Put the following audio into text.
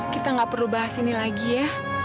kita gak perlu bahas ini lagi ya